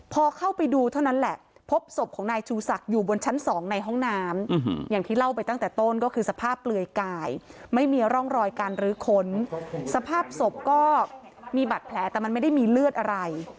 พอเข้าไปดูเท่านั้นแหละพบศพของนายชูศักดิ์อยู่บนชั้น๒ในห้องน้ำอย่างที่เล่าไปตั้งแต่ต้นก็คือสภาพเปลือยกายไม่มีร่องรอยการรื้อค้นสภาพศพก็มีบาดแผลแต่มันไม่ได้มีเลือดอะไร